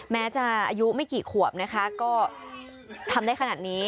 แม้จะอายุไม่กี่ขวบนะคะก็ทำได้ขนาดนี้